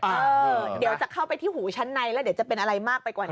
เดี๋ยวจะเข้าไปที่หูชั้นในแล้วเดี๋ยวจะเป็นอะไรมากไปกว่านี้